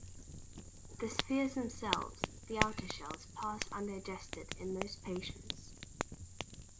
The spheres themselves, the outer shells, pass undigested in most patients.